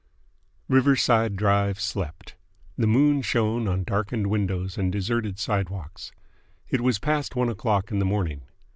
Riverside Drive slept. The moon shone on darkened windows and deserted sidewalks. It was past one o'clock in the morning.